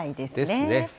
ですね。